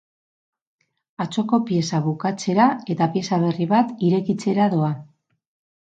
Atzoko pieza bukatzera eta pieza berri bat irekitzera doa.